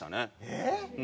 えっ！